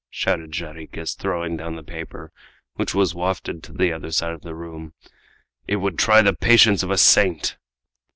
shouted Jarriquez, throwing down the paper, which was wafted to the other side of the room. "It would try the patience of a saint!"